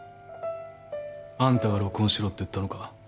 あんたが録音しろって言ったのか？